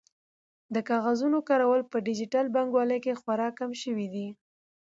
د کاغذونو کارول په ډیجیټل بانکوالۍ کې خورا کم شوي دي.